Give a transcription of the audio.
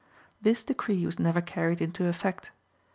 This decree was never carried into effect.